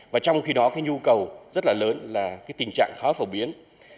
và trong khi đó nhu cầu rất lớn là tình trạng khó phổ biến